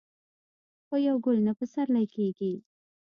په یو ګل نه پسرلی کېږي